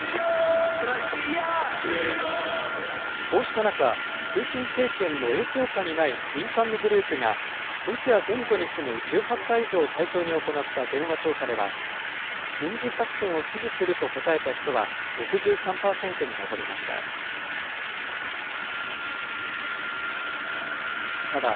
こうした中、プーチン政権の影響下にない民間のグループが、ロシア全土に住む１８歳以上を対象に行った電話調査では、軍事作戦を支持すると答えた人は６３％に上りました。